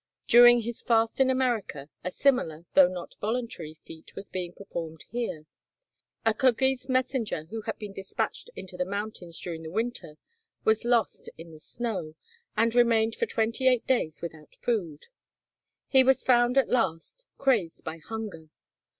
During his fast in America, a similar, though not voluntary, feat was being performed here. A Kirghiz messenger who had been despatched into the mountains during the winter was lost in the snow, and remained for twenty eight days without food. He was found at last, crazed by hunger.